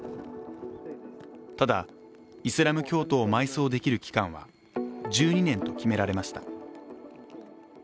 ただ、イスラム教徒を埋葬できる期間は１２年と決められました。